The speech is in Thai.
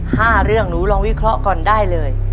พวกหนูลองวิเคราะห์ก่อนได้เลย